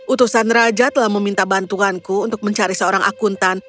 utusan raja telah meminta bantuanku untuk mencari seorang akuntan